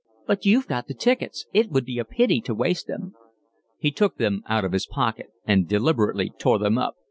"But you've got the tickets. It would be a pity to waste them." He took them out of his pocket and deliberately tore them up.